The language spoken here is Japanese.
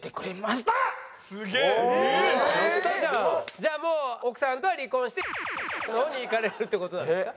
じゃあもう奥さんとは離婚しての方にいかれるって事なんですか？